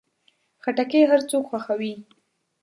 خټکی هر څوک خوښوي.